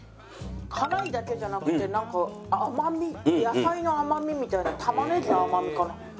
辛いだけじゃなくてなんか甘み野菜の甘みみたいな玉ねぎの甘みかな？